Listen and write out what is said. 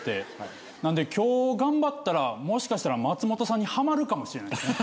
なんで今日頑張ったらもしかしたら松本さんにはまるかもしれないですね。